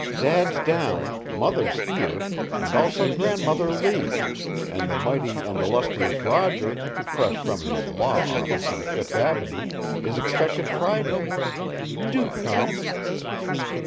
Dad's down, Mother's here, and also Grandmother Lee; and the mighty and illustrious Roger, fresh from his law office on Fifth Avenue, is expected Friday. Do come."